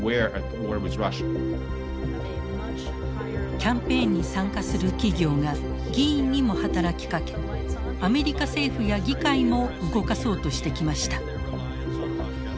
キャンペーンに参加する企業が議員にも働きかけアメリカ政府や議会も動かそうとしてきました。